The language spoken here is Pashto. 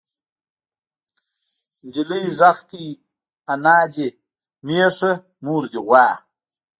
نجلۍ غږ کړ نيا دې مېښه مور دې غوا.